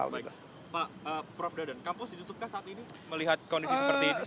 baik pak prof dadan kampus ditutupkan saat ini melihat kondisi seperti ini